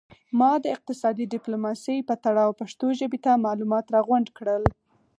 ما د اقتصادي ډیپلوماسي په تړاو پښتو ژبې ته معلومات را غونډ کړل